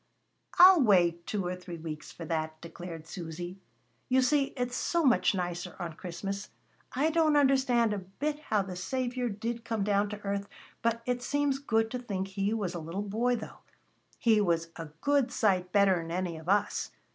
"I'll wait two or three weeks for that," declared Susy. "You see it's so much nicer on Christmas. I don't understand a bit how the Saviour did come down to earth, but it seems good to think He was a little boy, though He was a good sight better'n any of us.